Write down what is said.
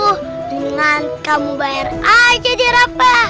jangan kamu bayar aja deh rafa